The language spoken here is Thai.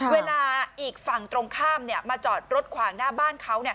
เวลาอีกฝั่งตรงข้ามมาจอดรถขวางหน้าบ้านเขา